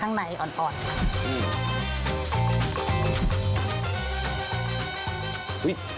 เอาแต่ข้างในอ่อน